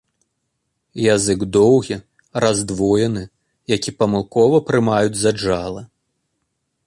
Язык доўгі, раздвоены, які памылкова прымаюць за джала.